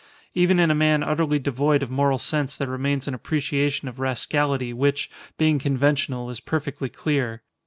Even in a man utterly devoid of moral sense there remains an appreciation of rascality which, being conventional, is perfectly clear.